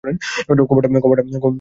কভারটা আটকে গেছে।